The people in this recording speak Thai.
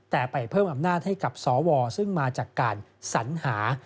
แต่ไปเพิ่มอำนาจให้กับสวซึ่งมาจากการสัญหา